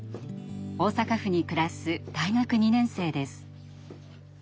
大阪府に暮らす大学２年生です。